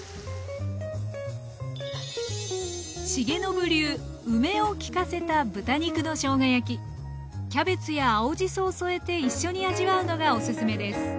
重信流梅を効かせたキャベツや青じそを添えて一緒に味わうのがおすすめです